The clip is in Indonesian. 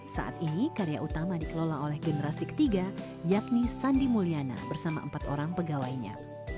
saat ini karya utama dikelola oleh generasi ketiga yakni sandi mulyana bersama empat orang pegawainya